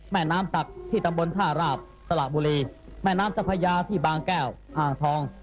แม่น้ำสักที่ตำบลท่าราบตลาบบุรีแม่น้ำทรัพยาที่บางแก้วอ่างทอง